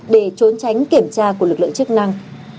để trốn tránh kiểm tra của lực lượng chức năng